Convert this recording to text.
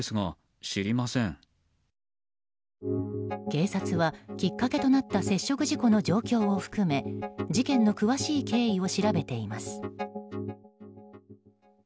警察は、きっかけとなった接触事故の状況を含め事件の詳しい経緯を調べています。